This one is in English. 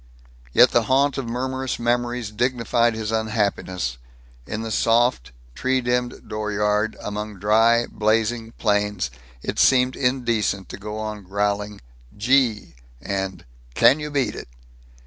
Yet the haunt of murmurous memories dignified his unhappiness. In the soft, tree dimmed dooryard among dry, blazing plains it seemed indecent to go on growling "Gee," and "Can you beat it?"